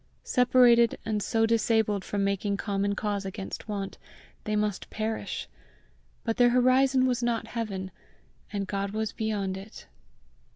Separated, and so disabled from making common cause against want, they must perish! But their horizon was not heaven, and God was beyond it.